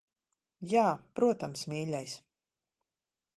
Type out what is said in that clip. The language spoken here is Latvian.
Jā, protams, mīļais.